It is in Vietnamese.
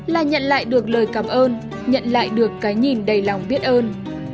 là nhận lại được lời cảm ơn nhận lại được cái nhìn đầy lòng biết ơn